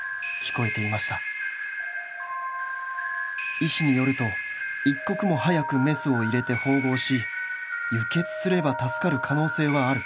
「医師によると一刻も早くメスを入れて縫合し輸血すれば助かる可能性はある」